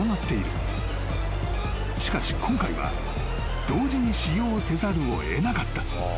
［しかし今回は同時に使用せざるを得なかった］